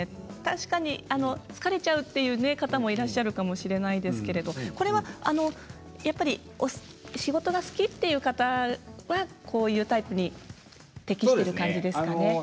確かに疲れちゃうという方もいらっしゃるかもしれないですけれどこれは仕事が好きという方はこういうタイプに適している感じですかね。